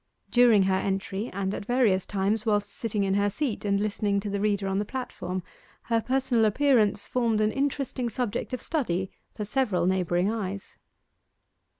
During her entry, and at various times whilst sitting in her seat and listening to the reader on the platform, her personal appearance formed an interesting subject of study for several neighbouring eyes.